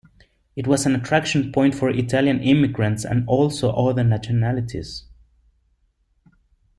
It was an attraction point for Italian immigrants and also other nationalities.